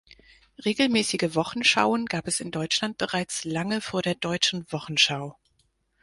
Regelmäßige Wochenschauen gab es in Deutschland bereits lange vor der „Deutschen Wochenschau“.